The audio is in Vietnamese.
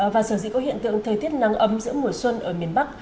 và sở dĩ có hiện tượng thời tiết nắng ấm giữa mùa xuân ở miền bắc